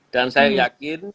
dan saya yakin